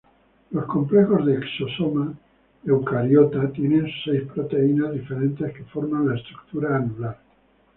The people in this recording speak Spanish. Los complejos de exosoma eucariota tienen seis proteínas diferentes que forman la estructura anular.